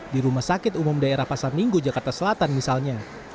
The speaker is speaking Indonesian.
di rumah sakit umum daerah pasar minggu jakarta selatan misalnya